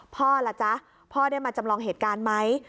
พ่อล่ะจ๊ะพ่อได้มาจำลองเหตุการณ์ไหม